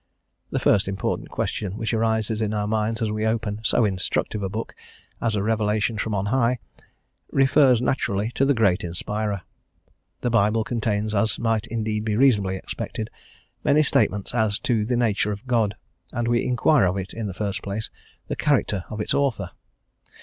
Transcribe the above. The first important question which arises in our minds as we open so instructive a book as a revelation from on high, refers naturally to the Great Inspirer. The Bible contains, as might indeed be reasonably expected, many statements as to the nature of God, and we inquire of it, in the first place, the character of its Author.